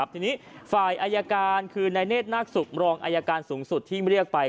ทีนี้ฝ่ายอายการคือนายเนธนาคศุกร์รองอายการสูงสุดที่เรียกไป